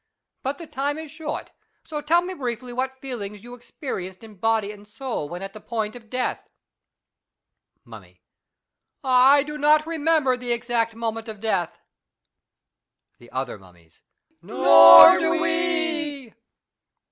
But the time is short, so tell me briefly what] feelings you experienced in body and soul when at the: point of death. Mummy. I do not remember the exact moment of| deatk FREDERIC RUYSCH AND HIS MUMMIES. 113 The other Mummies. Nor do we.